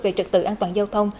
về trật tự an toàn giao thông